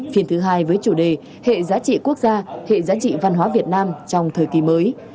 phiên thứ hai với chủ đề hệ giá trị quốc gia hệ giá trị văn hóa việt nam trong thời kỳ mới